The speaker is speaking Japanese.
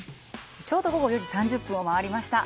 ちょうど午後４時３０分を回りました。